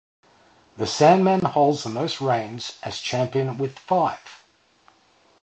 The Sandman holds the most reigns as champion, with five.